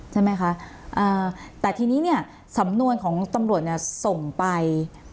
ใช่ไหมคะอ่าแต่ทีนี้เนี่ยสำนวนของตำรวจเนี่ยส่งไป